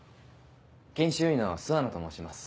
研修医の諏訪野と申します